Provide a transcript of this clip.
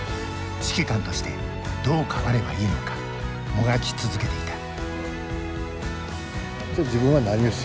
指揮官としてどう変わればいいのかもがき続けていた。